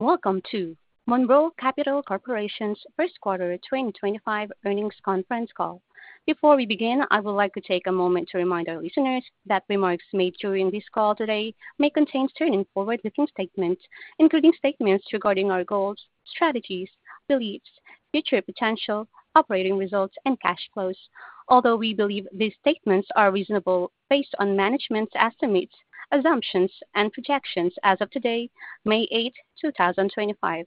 Welcome to Monroe Capital Corporation's First Quarter 2025 Earnings Conference Call. Before we begin, I would like to take a moment to remind our listeners that remarks made during this call today may contain forward-looking statements, including statements regarding our goals, strategies, beliefs, future potential, operating results, and cash flows. Although we believe these statements are reasonable based on management's estimates, assumptions, and projections as of today, May 8, 2025,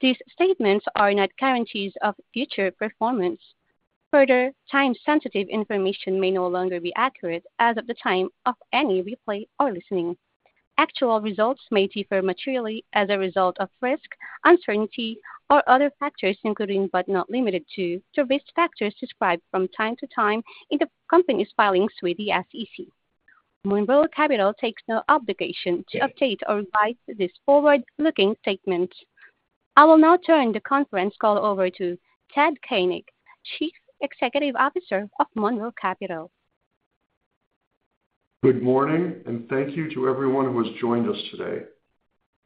these statements are not guarantees of future performance. Further, time-sensitive information may no longer be accurate as of the time of any replay or listening. Actual results may differ materially as a result of risk, uncertainty, or other factors, including but not limited to, the risk factors described from time to time in the company's filings with the SEC. Monroe Capital takes no obligation to update or revise these forward-looking statements. I will now turn the conference call over to Ted Koenig, Chief Executive Officer of Monroe Capital. Good morning, and thank you to everyone who has joined us today.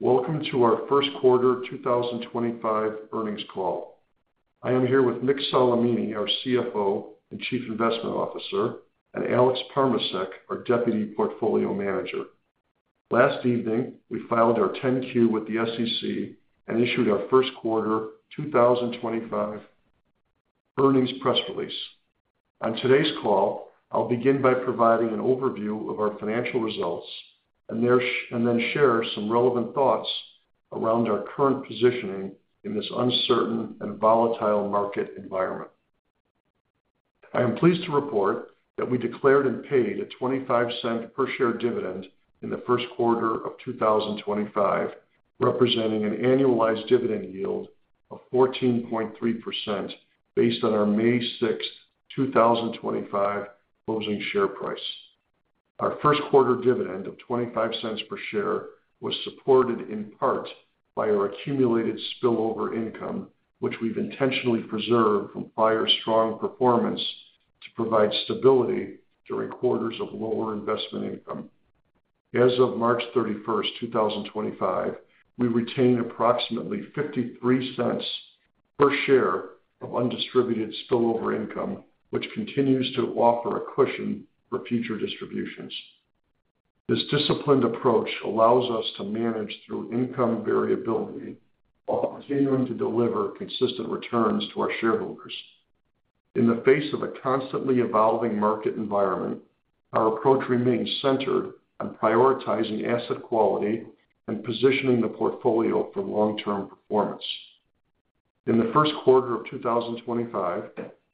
Welcome to our first quarter 2025 earnings call. I am here with Mick Solimene, our CFO and Chief Investment Officer, and Alex Parmacek, our Deputy Portfolio Manager. Last evening, we filed our 10-Q with the SEC and issued our first quarter 2025 earnings press release. On today's call, I'll begin by providing an overview of our financial results and then share some relevant thoughts around our current positioning in this uncertain and volatile market environment. I am pleased to report that we declared and paid a $0.25 per share dividend in the first quarter of 2025, representing an annualized dividend yield of 14.3% based on our May 6, 2025, closing share price. Our first quarter dividend of $0.25 per share was supported in part by our accumulated spillover income, which we've intentionally preserved from prior strong performance to provide stability during quarters of lower investment income. As of March 31st, 2025, we retain approximately $0.53 per share of undistributed spillover income, which continues to offer a cushion for future distributions. This disciplined approach allows us to manage through income variability while continuing to deliver consistent returns to our shareholders. In the face of a constantly evolving market environment, our approach remains centered on prioritizing asset quality and positioning the portfolio for long-term performance. In the first quarter of 2025,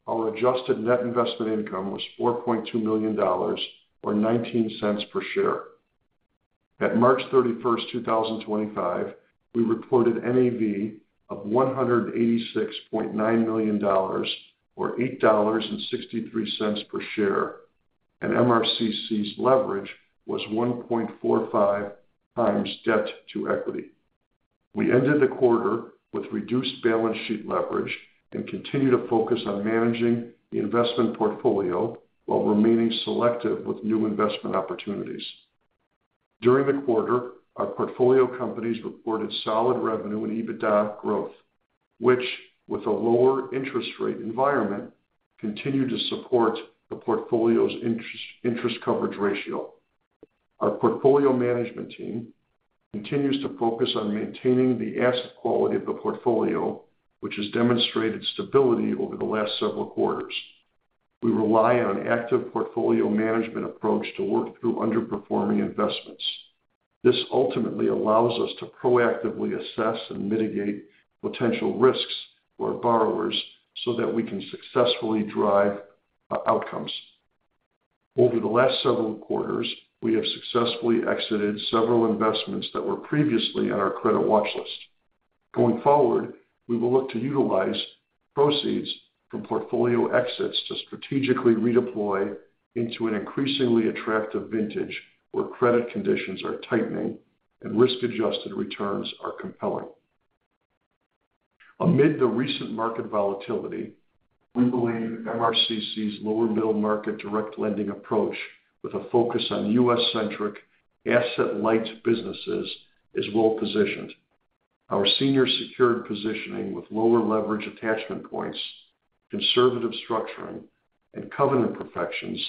our adjusted net investment income was $4.2 million, or $0.19 per share. At March 31st, 2025, we reported NAV of $186.9 million, or $8.63 per share, and MRCC's leverage was 1.45x debt to equity. We ended the quarter with reduced balance sheet leverage and continue to focus on managing the investment portfolio while remaining selective with new investment opportunities. During the quarter, our portfolio companies reported solid revenue and EBITDA growth, which, with a lower interest rate environment, continued to support the portfolio's interest coverage ratio. Our portfolio management team continues to focus on maintaining the asset quality of the portfolio, which has demonstrated stability over the last several quarters. We rely on an active portfolio management approach to work through underperforming investments. This ultimately allows us to proactively assess and mitigate potential risks for our borrowers so that we can successfully drive outcomes. Over the last several quarters, we have successfully exited several investments that were previously on our credit watch list. Going forward, we will look to utilize proceeds from portfolio exits to strategically redeploy into an increasingly attractive vintage where credit conditions are tightening and risk-adjusted returns are compelling. Amid the recent market volatility, we believe MRCC's lower-middle market direct lending approach with a focus on U.S.-centric asset-light businesses is well-positioned. Our senior-secured positioning with lower leverage attachment points, conservative structuring, and covenant protections,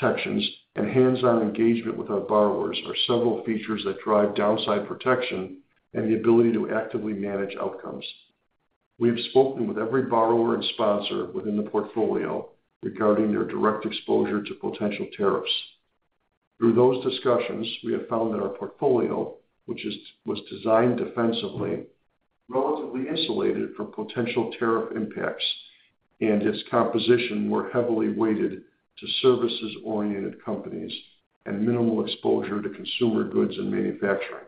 and hands-on engagement with our borrowers are several features that drive downside protection and the ability to actively manage outcomes. We have spoken with every borrower and sponsor within the portfolio regarding their direct exposure to potential tariffs. Through those discussions, we have found that our portfolio, which was designed defensively, is relatively insulated from potential tariff impacts, and its composition more heavily weighted to services-oriented companies and minimal exposure to consumer goods and manufacturing.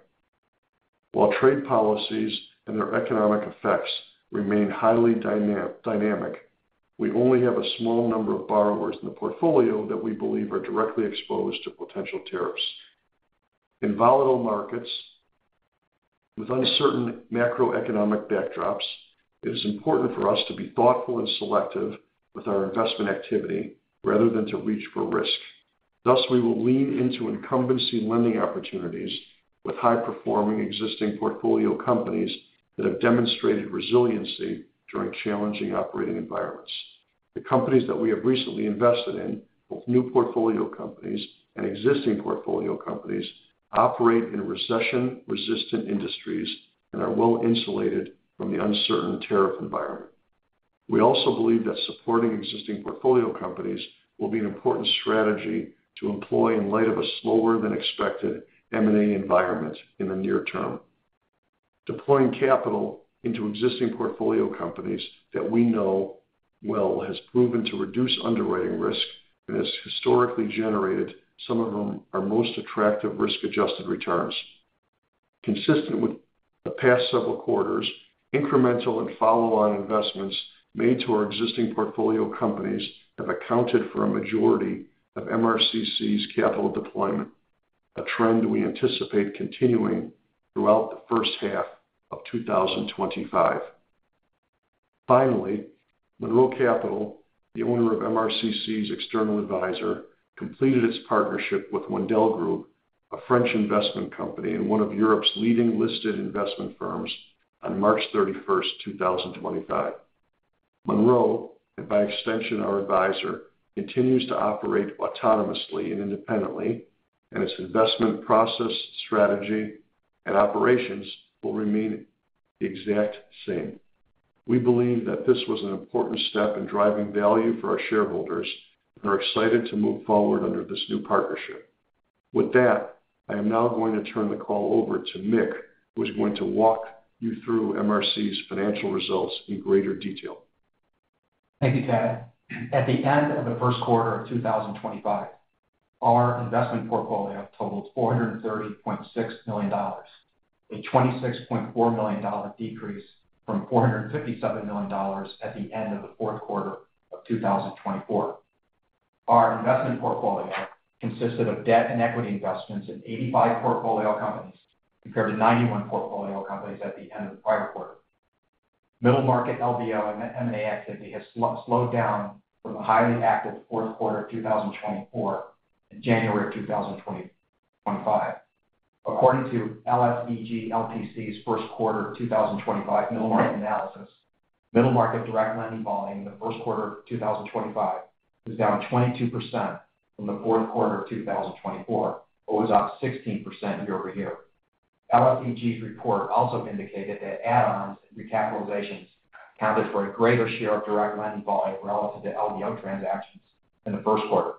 While trade policies and their economic effects remain highly dynamic, we only have a small number of borrowers in the portfolio that we believe are directly exposed to potential tariffs. In volatile markets, with uncertain macroeconomic backdrops, it is important for us to be thoughtful and selective with our investment activity rather than to reach for risk. Thus, we will lean into incumbency lending opportunities with high-performing existing portfolio companies that have demonstrated resiliency during challenging operating environments. The companies that we have recently invested in, both new portfolio companies and existing portfolio companies, operate in recession-resistant industries and are well-insulated from the uncertain tariff environment. We also believe that supporting existing portfolio companies will be an important strategy to employ in light of a slower-than-expected M&A environment in the near term. Deploying capital into existing portfolio companies that we know well has proven to reduce underwriting risk and has historically generated some of our most attractive risk-adjusted returns. Consistent with the past several quarters, incremental and follow-on investments made to our existing portfolio companies have accounted for a majority of MRCC's capital deployment, a trend we anticipate continuing throughout the first half of 2025. Finally, Monroe Capital, the owner of MRCC's external advisor, completed its partnership with Wendel Group, a French investment company and one of Europe's leading listed investment firms, on March 31, 2025. Monroe, and by extension our advisor, continues to operate autonomously and independently, and its investment process, strategy, and operations will remain the exact same. We believe that this was an important step in driving value for our shareholders and are excited to move forward under this new partnership. With that, I am now going to turn the call over to Mick, who is going to walk you through MRCC's financial results in greater detail. Thank you, Ted. At the end of the first quarter of 2025, our investment portfolio totaled $430.6 million, a $26.4 million decrease from $457 million at the end of the fourth quarter of 2024. Our investment portfolio consisted of debt and equity investments in 85 portfolio companies compared to 91 portfolio companies at the end of the prior quarter. Middle-market LBO and M&A activity has slowed down from the highly active fourth quarter of 2024 and January of 2025. According to LSEG LPC's first quarter 2025 middle-market analysis, middle-market direct lending volume in the first quarter of 2025 was down 22% from the fourth quarter of 2024, but was up 16% year-over-year. LSEG's report also indicated that add-ons and recapitalizations accounted for a greater share of direct lending volume relative to LBO transactions in the first quarter.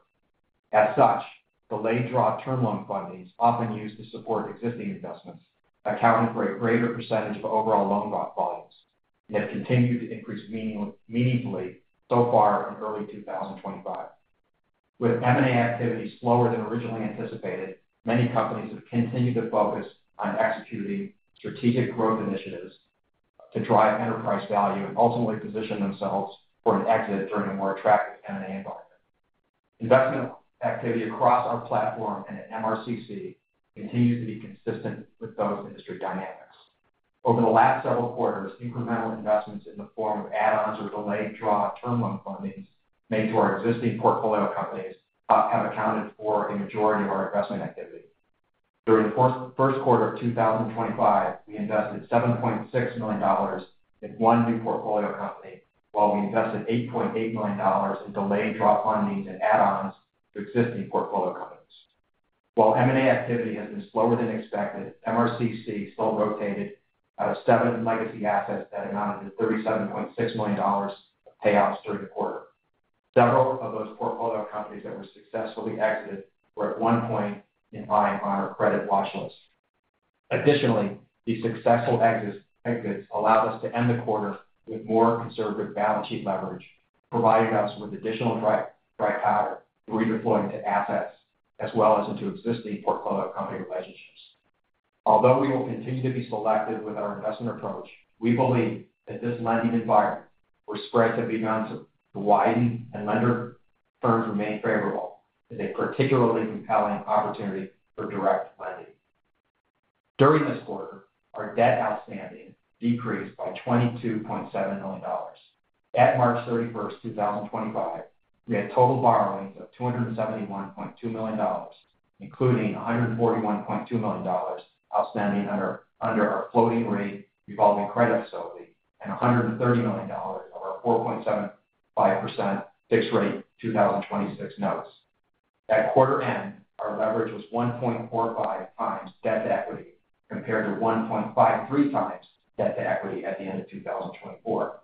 As such, delayed draw term loan funding is often used to support existing investments, accounting for a greater percentage of overall loan draw volumes, and have continued to increase meaningfully so far in early 2025. With M&A activity slower than originally anticipated, many companies have continued to focus on executing strategic growth initiatives to drive enterprise value and ultimately position themselves for an exit during a more attractive M&A environment. Investment activity across our platform and at MRCC continues to be consistent with those industry dynamics. Over the last several quarters, incremental investments in the form of add-ons or delayed draw term loan fundings made to our existing portfolio companies have accounted for a majority of our investment activity. During the first quarter of 2025, we invested $7.6 million in one new portfolio company, while we invested $8.8 million in delayed draw fundings and add-ons to existing portfolio companies. While M&A activity has been slower than expected, MRCC still rotated out of seven legacy assets that amounted to $37.6 million of payouts during the quarter. Several of those portfolio companies that were successfully exited were at one point in line on our credit watch list. Additionally, these successful exits allowed us to end the quarter with more conservative balance sheet leverage, providing us with additional dry power to redeploy into assets as well as into existing portfolio company relationships. Although we will continue to be selective with our investment approach, we believe that this lending environment, where spreads have begun to widen and lender firms remain favorable, is a particularly compelling opportunity for direct lending. During this quarter, our debt outstanding decreased by $22.7 million. At March 31st, 2025, we had total borrowings of $271.2 million, including $141.2 million outstanding under our floating rate revolving credit facility and $130 million of our 4.75% fixed rate 2026 notes. At quarter end, our leverage was 1.45x debt to equity compared to 1.53x debt to equity at the end of 2024.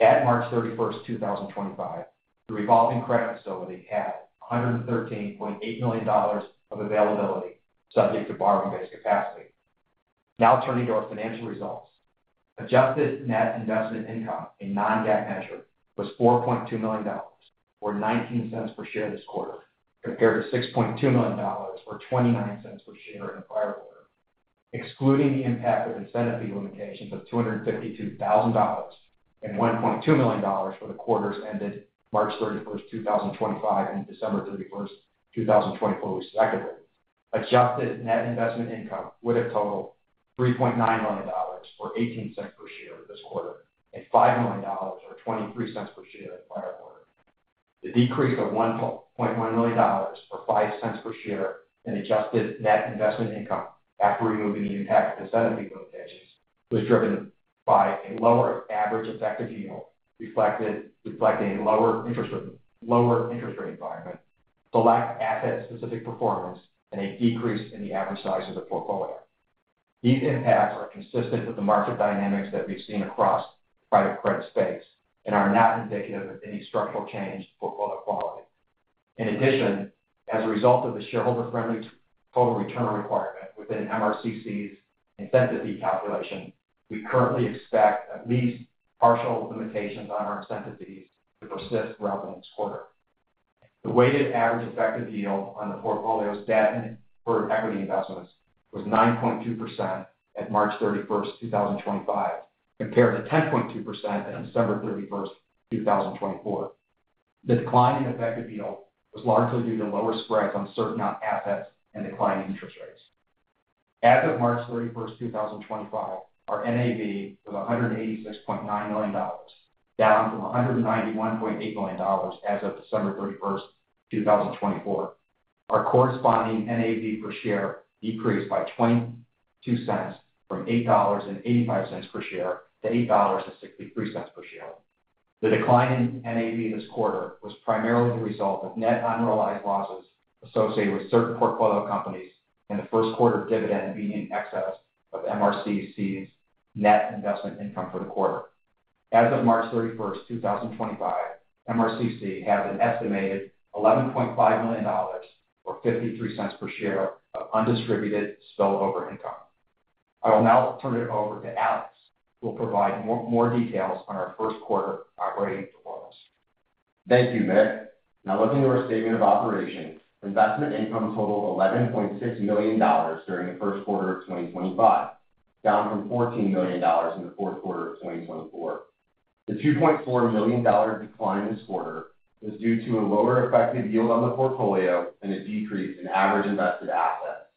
At March 31, 2025, the revolving credit facility had $113.8 million of availability subject to borrowing-based capacity. Now turning to our financial results, adjusted net investment income, a non-GAAP measure, was $4.2 million, or $0.19 per share this quarter, compared to $6.2 million, or $0.29 per share in the prior quarter. Excluding the impact of incentive fee limitations of $252,000 and $1.2 million for the quarters ended March 31st, 2025, and December 31st, 2024, respectively, adjusted net investment income would have totaled $3.9 million, or $0.18 per share this quarter, and $5 million, or $0.23 per share in the prior quarter. The decrease of $1.1 million, or $0.05 per share, in adjusted net investment income after removing the impact of incentive fee limitations, was driven by a lower average effective yield reflecting a lower interest rate environment, select asset-specific performance, and a decrease in the average size of the portfolio. These impacts are consistent with the market dynamics that we've seen across the private credit space and are not indicative of any structural change in portfolio quality. In addition, as a result of the shareholder-friendly total return requirement within MRCC's incentive fee calculation, we currently expect at least partial limitations on our incentive fees to persist throughout the next quarter. The weighted average effective yield on the portfolio's debt and equity investments was 9.2% at March 31st, 2025, compared to 10.2% at December 31st, 2024. The decline in effective yield was largely due to lower spreads on certain assets and declining interest rates. As of March 31st, 2025, our NAV was $186.9 million, down from $191.8 million as of December 31st, 2024. Our corresponding NAV per share decreased by $0.22 from $8.85 per share to $8.63 per share. The decline in NAV this quarter was primarily the result of net unrealized losses associated with certain portfolio companies and the first quarter dividend being in excess of MRCC's net investment income for the quarter. As of March 31st, 2025, MRCC has an estimated $11.5 million, or $0.53 per share, of undistributed spillover income. I will now turn it over to Alex, who will provide more details on our first quarter operating performance. Thank you, Mick. Now looking to our statement of operations, investment income totaled $11.6 million during the first quarter of 2025, down from $14 million in the fourth quarter of 2024. The $2.4 million decline this quarter was due to a lower effective yield on the portfolio and a decrease in average invested assets.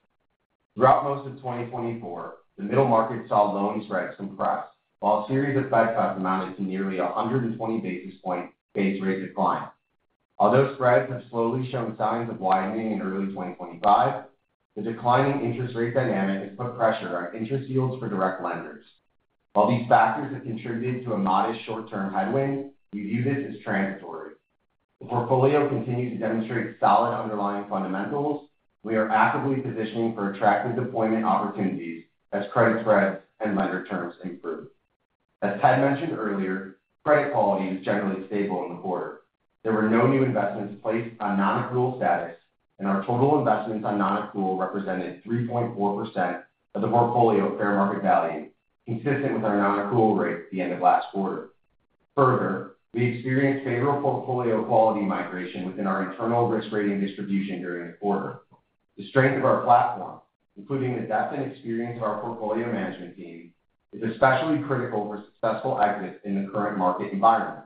Throughout most of 2024, the middle market saw loan spreads compressed, while a series of Fed cuts amounted to nearly 120 basis point base rate declines. Although spreads have slowly shown signs of widening in early 2025, the declining interest rate dynamic has put pressure on interest yields for direct lenders. While these factors have contributed to a modest short-term headwind, we view this as transitory. The portfolio continues to demonstrate solid underlying fundamentals, and we are actively positioning for attractive deployment opportunities as credit spreads and lender terms improve. As Ted mentioned earlier, credit quality was generally stable in the quarter. There were no new investments placed on non-accrual status, and our total investments on non-accrual represented 3.4% of the portfolio fair market value, consistent with our non-accrual rate at the end of last quarter. Further, we experienced favorable portfolio quality migration within our internal risk rating distribution during the quarter. The strength of our platform, including the depth and experience of our portfolio management team, is especially critical for successful exits in the current market environment.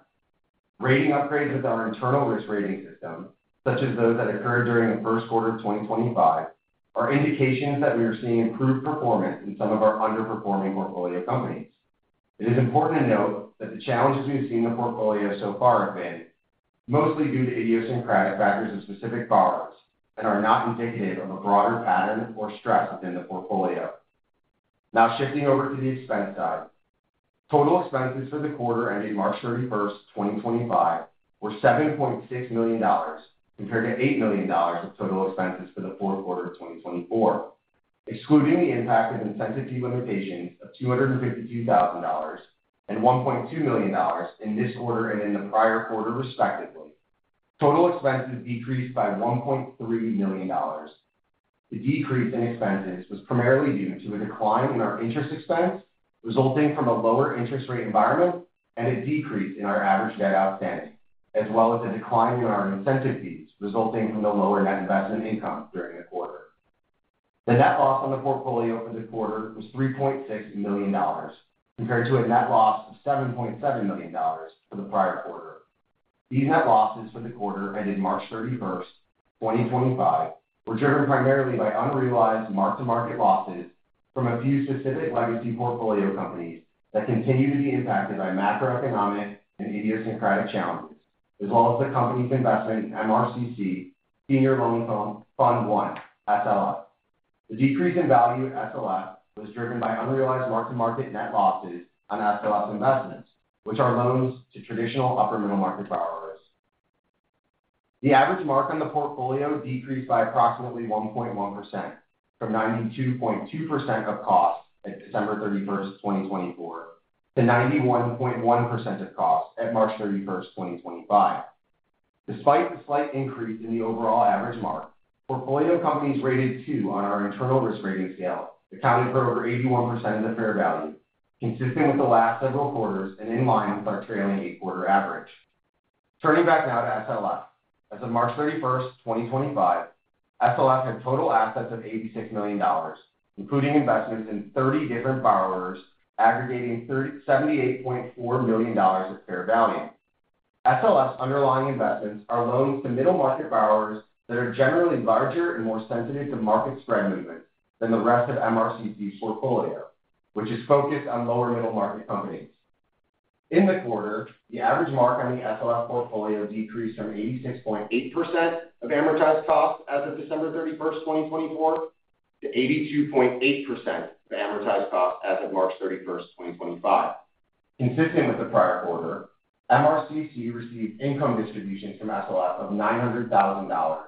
Rating upgrades of our internal risk rating system, such as those that occurred during the first quarter of 2025, are indications that we are seeing improved performance in some of our underperforming portfolio companies. It is important to note that the challenges we have seen in the portfolio so far have been mostly due to idiosyncratic factors of specific borrowers and are not indicative of a broader pattern or stress within the portfolio. Now shifting over to the expense side, total expenses for the quarter ending March 31st, 2025, were $7.6 million compared to $8 million of total expenses for the fourth quarter of 2024, excluding the impact of incentive fee limitations of $252,000 and $1.2 million in this quarter and in the prior quarter, respectively. Total expenses decreased by $1.3 million. The decrease in expenses was primarily due to a decline in our interest expense resulting from a lower interest rate environment and a decrease in our average debt outstanding, as well as a decline in our incentive fees resulting from the lower net investment income during the quarter. The net loss on the portfolio for the quarter was $3.6 million compared to a net loss of $7.7 million for the prior quarter. These net losses for the quarter ending March 31st, 2025, were driven primarily by unrealized mark-to-market losses from a few specific legacy portfolio companies that continue to be impacted by macroeconomic and idiosyncratic challenges, as well as the company's investment in MRCC Senior Loan Fund 1, SLF. The decrease in value at SLF was driven by unrealized mark-to-market net losses on SLF investments, which are loans to traditional upper middle market borrowers. The average mark on the portfolio decreased by approximately 1.1% from 92.2% of costs at December 31st, 2024, to 91.1% of costs at March 31st, 2025. Despite the slight increase in the overall average mark, portfolio companies rated 2 on our internal risk rating scale accounted for over 81% of the fair value, consistent with the last several quarters and in line with our trailing eight-quarter average. Turning back now to SLF, as of March 31st, 2025, SLF had total assets of $86 million, including investments in 30 different borrowers aggregating $78.4 million of fair value. SLF's underlying investments are loans to middle market borrowers that are generally larger and more sensitive to market spread movements than the rest of MRCC's portfolio, which is focused on lower middle market companies. In the quarter, the average mark on the SLF portfolio decreased from 86.8% of amortized costs as of December 31st, 2024, to 82.8% of amortized costs as of March 31st, 2025. Consistent with the prior quarter, MRCC received income distributions from SLF of $900,000.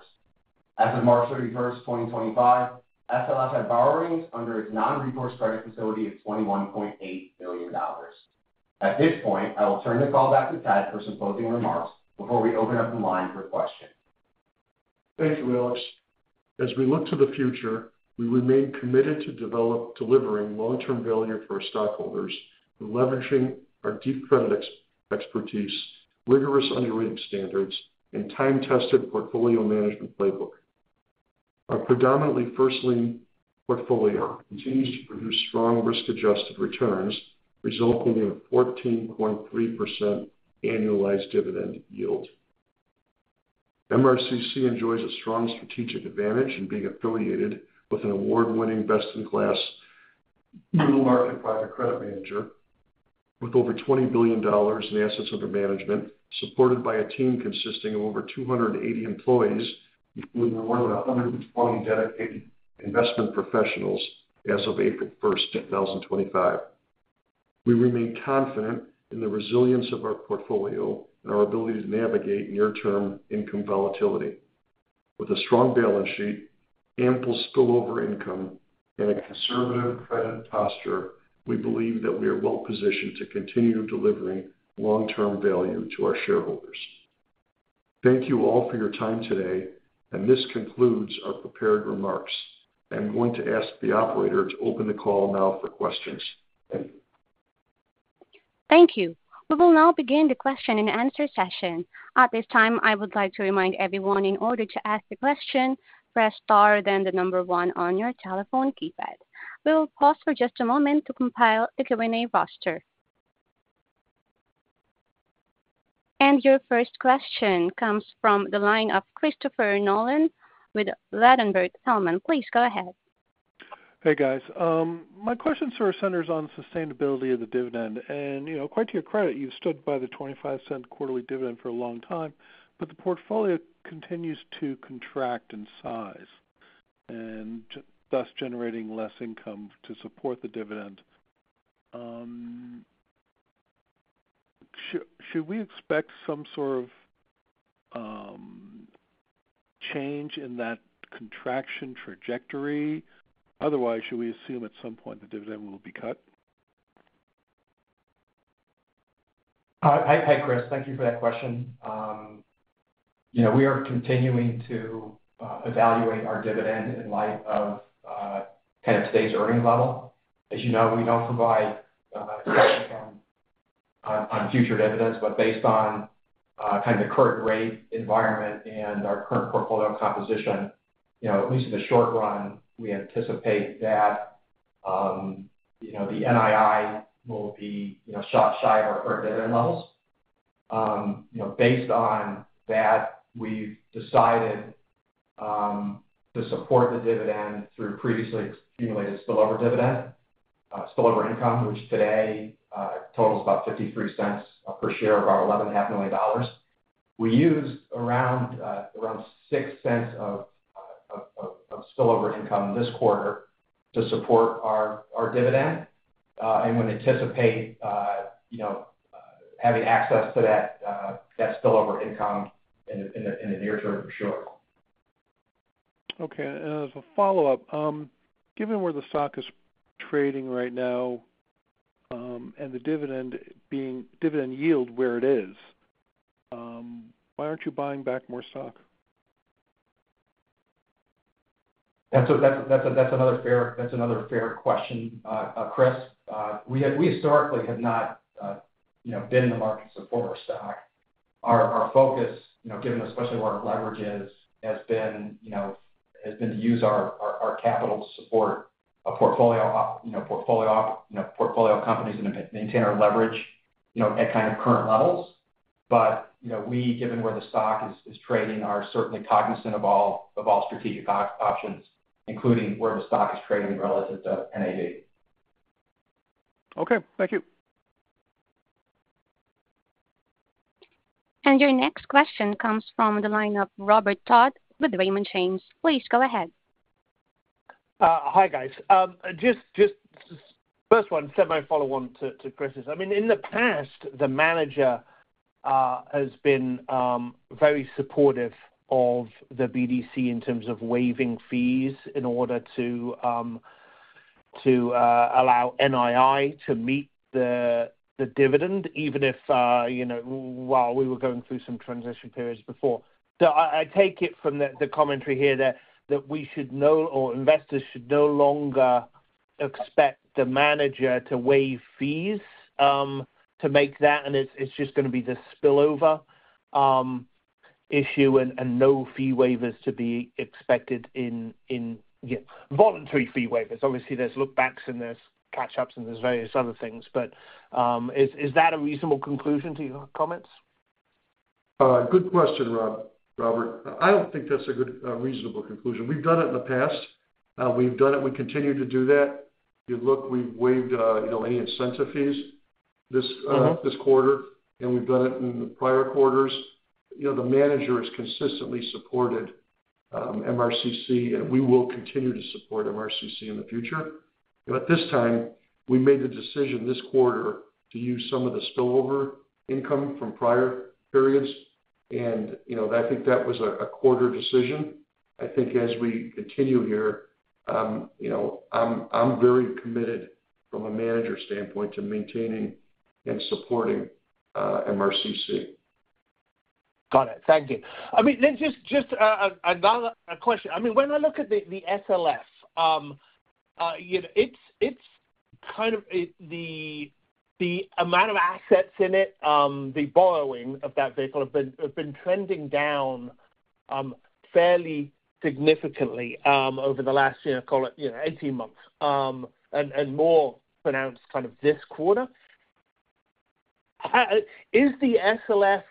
As of March 31, 2025, SLF had borrowings under its non-recourse credit facility of $21.8 million. At this point, I will turn the call back to Ted for some closing remarks before we open up the line for a question. Thank you, Alex. As we look to the future, we remain committed to delivering long-term value for our stockholders by leveraging our deep credit expertise, rigorous underwriting standards, and time-tested portfolio management playbook. Our predominantly first-lien portfolio continues to produce strong risk-adjusted returns, resulting in a 14.3% annualized dividend yield. MRCC enjoys a strong strategic advantage in being affiliated with an award-winning best-in-class middle market private credit manager, with over $20 billion in assets under management, supported by a team consisting of over 280 employees, including more than 120 dedicated investment professionals as of April 1st, 2025. We remain confident in the resilience of our portfolio and our ability to navigate near-term income volatility. With a strong balance sheet, ample spillover income, and a conservative credit posture, we believe that we are well-positioned to continue delivering long-term value to our shareholders. Thank you all for your time today, and this concludes our prepared remarks. I'm going to ask the operator to open the call now for questions. Thank you. We will now begin the question and answer session. At this time, I would like to remind everyone in order to ask the question, press star then the number one on your telephone keypad. We will pause for just a moment to compile the Q&A roster. Your first question comes from the line of Christopher Nolan with Ladenburg Thalmann. Please go ahead. Hey, guys. My question sort of centers on sustainability of the dividend. And, you know, quite to your credit, you've stood by the $0.25 quarterly dividend for a long time, but the portfolio continues to contract in size, and thus generating less income to support the dividend. Should we expect some sort of change in that contraction trajectory? Otherwise, should we assume at some point the dividend will be cut? Hi, Chris. Thank you for that question. You know, we are continuing to evaluate our dividend in light of kind of today's earnings level. As you know, we don't provide a question on future dividends, but based on kind of the current rate environment and our current portfolio composition, you know, at least in the short run, we anticipate that, you know, the NII will be, you know, just shy of our current dividend levels. You know, based on that, we've decided to support the dividend through previously accumulated spillover income, which today totals about $0.53 per share, or $11.5 million. We used around $0.06 of spillover income this quarter to support our dividend and would anticipate, you know, having access to that spillover income in the near term for sure. Okay. As a follow-up, given where the stock is trading right now and the dividend yield where it is, why aren't you buying back more stock? That's another fair question, Chris. We historically have not, you know, been in the market to support our stock. Our focus, you know, given especially where our leverage is, has been, you know, to use our capital to support portfolio companies and maintain our leverage, you know, at kind of current levels. You know, we, given where the stock is trading, are certainly cognizant of all strategic options, including where the stock is trading relative to NAV. Okay. Thank you. Your next question comes from the line of Robert Dodd with Raymond James. Please go ahead. Hi, guys. Just first one, semi-follow-on to Chris's. I mean, in the past, the manager has been very supportive of the BDC in terms of waiving fees in order to allow NII to meet the dividend, even if, you know, while we were going through some transition periods before. So I take it from the commentary here that we should know, or investors should no longer expect the manager to waive fees to make that, and it's just going to be the spillover issue and no fee waivers to be expected in, yeah, voluntary fee waivers. Obviously, there's look-backs and there's catch-ups and there's various other things, but is that a reasonable conclusion to your comments? Good question, Robert. I do not think that is a good, reasonable conclusion. We have done it in the past. We have done it. We continue to do that. You look, we have waived, you know, any incentive fees this quarter, and we have done it in the prior quarters. You know, the manager has consistently supported MRCC, and we will continue to support MRCC in the future. This time, we made the decision this quarter to use some of the spillover income from prior periods. You know, I think that was a quarter decision. I think as we continue here, you know, I am very committed from a manager standpoint to maintaining and supporting MRCC. Got it. Thank you. I mean, then just another question. I mean, when I look at the SLF, you know, it's kind of the amount of assets in it, the borrowing of that vehicle have been trending down fairly significantly over the last, you know, call it, you know, 18 months and more pronounced kind of this quarter. Is the SLF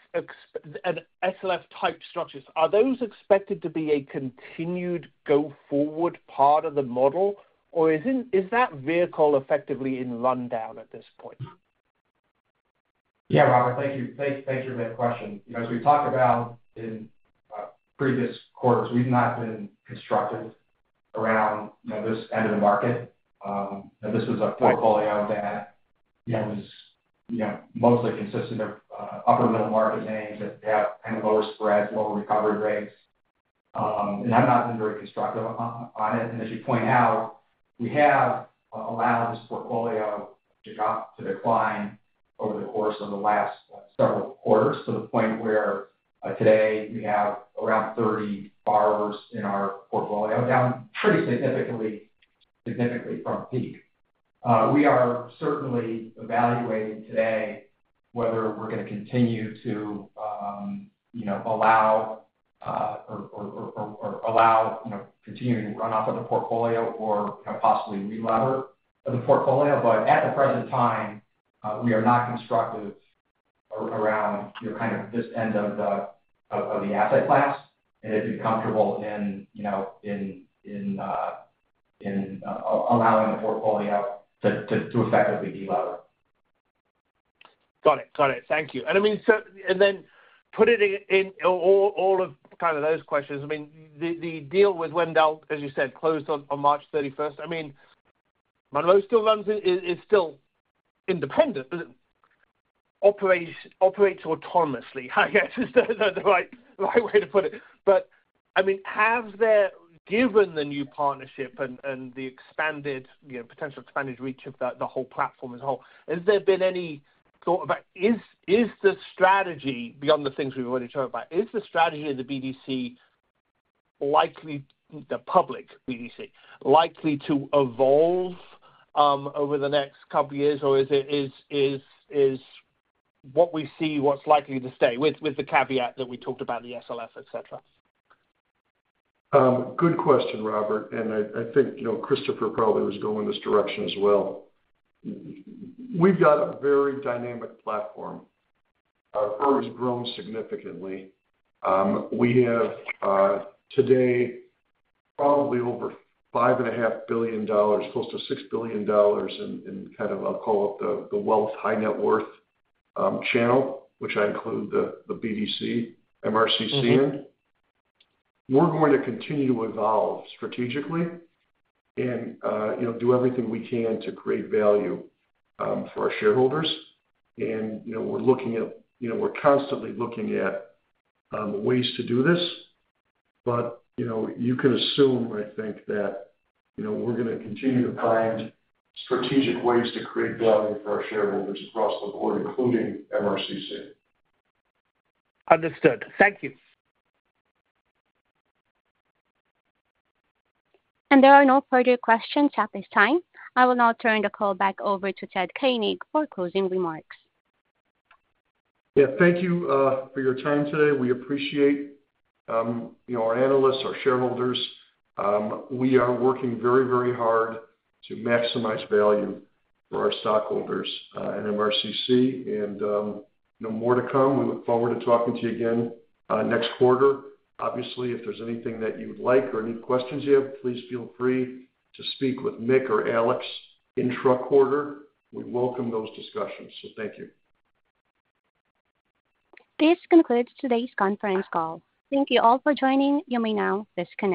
type structures, are those expected to be a continued go-forward part of the model, or is that vehicle effectively in rundown at this point? Yeah, Robert, thank you. Thank you for that question. You know, as we talked about in previous quarters, we've not been constructive around, you know, this end of the market. You know, this was a portfolio that was mostly consistent of upper middle market names that have kind of lower spreads, lower recovery rates. And I've not been very constructive on it. As you point out, we have allowed this portfolio to decline over the course of the last several quarters to the point where today we have around 30 borrowers in our portfolio, down pretty significantly from peak. We are certainly evaluating today whether we're going to continue to, you know, allow continuing run-off of the portfolio or, you know, possibly re-lever of the portfolio. At the present time, we are not constructive around, you know, kind of this end of the asset class and if you're comfortable in, you know, in allowing the portfolio to effectively de-lever. Got it. Got it. Thank you. I mean, so and then putting in all of kind of those questions, I mean, the deal with Wendel, as you said, closed on March 31st. I mean, Monroe still runs it, is still independent, operates autonomously, I guess is the right way to put it. I mean, have there, given the new partnership and the expanded, you know, potential expanded reach of the whole platform as a whole, has there been any thought about, is the strategy, beyond the things we've already talked about, is the strategy of the BDC likely, the public BDC, likely to evolve over the next couple of years, or is it, is what we see what's likely to stay with the caveat that we talked about the SLF, etc.? Good question, Robert. I think, you know, Christopher probably was going in this direction as well. We've got a very dynamic platform. Our firm has grown significantly. We have today probably over $5.5 billion, close to $6 billion in kind of, I'll call it the wealth high net worth channel, which I include the BDC, MRCC in. We're going to continue to evolve strategically and, you know, do everything we can to create value for our shareholders. You know, we're looking at, you know, we're constantly looking at ways to do this. You can assume, I think, that, you know, we're going to continue to find strategic ways to create value for our shareholders across the board, including MRCC. Understood. Thank you. There are no further questions at this time. I will now turn the call back over to Ted Koenig for closing remarks. Yeah. Thank you for your time today. We appreciate, you know, our analysts, our shareholders. We are working very, very hard to maximize value for our stockholders and MRCC. And, you know, more to come. We look forward to talking to you again next quarter. Obviously, if there's anything that you would like or any questions you have, please feel free to speak with Mick or Alex intra-quarter. We welcome those discussions. Thank you. This concludes today's conference call. Thank you all for joining Monroe now at this time.